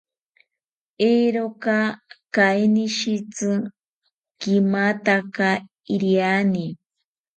Eeroka kainishitzi kimataka iriani